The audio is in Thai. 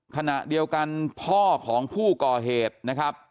ขณะเดียวกันพ่อของผู้ก่อเหตุนะครับ